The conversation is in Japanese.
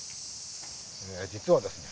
実はですね